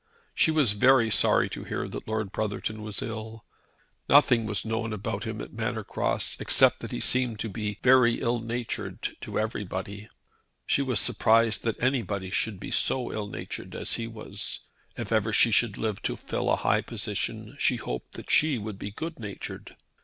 She was very sorry to hear that Lord Brotherton was ill. Nothing was known about him at Manor Cross, except that he seemed to be very ill natured to everybody. She was surprised that anybody should be so ill natured as he was. If ever she should live to fill a high position she hoped she would be good natured.